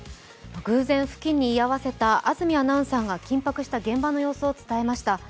偶然付近に居合わせた安住アナウンサーが緊迫した現場の様子を伝えました。